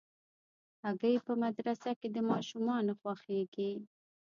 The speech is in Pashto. هګۍ په مدرسه کې د ماشومانو خوښېږي.